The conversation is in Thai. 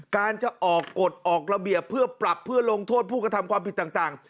การจะออกกฎออกระเบียบเพื่อปรับเพื่อลงโทษผู้กระทำความผิดต่าง